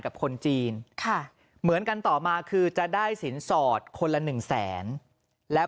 กับคนจีนค่ะเหมือนกันต่อมาคือจะได้สินสอดคนละหนึ่งแสนแล้ว